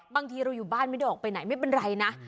บางทีเราอยู่บ้านไม่ได้ออกไปไหนไม่เป็นไรนะ